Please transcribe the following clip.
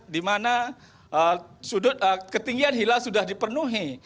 dimana ketinggian hilal sudah dipenuhi